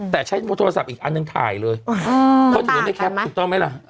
แต่ใช้โทรศัพท์อีกอันนึงถ่ายเลยอือมันต่างกันไหมถูกต้องไหมล่ะ